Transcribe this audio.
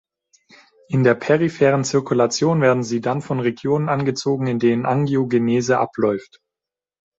In der peripheren Zirkulation werden sie dann von Regionen angezogen, in denen Angiogenese abläuft.